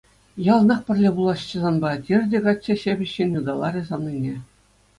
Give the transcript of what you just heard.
Яланах пӗрле пуласчӗ санпа, — терӗ те каччӑ ҫепӗҫҫӗн ыталарӗ савнине.